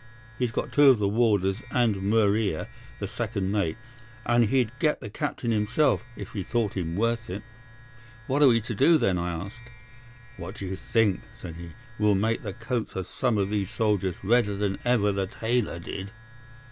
He's got two of the warders and Mercer, the second mate, and he'd get the captain himself, if he thought him worth it." "'"What are we to do, then?" I asked. "'"What do you think?" said he. "We'll make the coats of some of these soldiers redder than ever the tailor did."